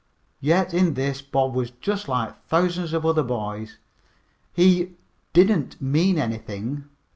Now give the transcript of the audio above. Yet in this Bob was just like thousands of other boys he "didn't mean anything."